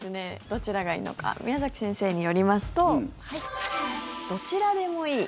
どちらがいいのか宮崎先生によりますとどちらでもいい！